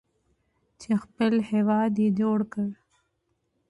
چې خپل هیواد یې جوړ کړ.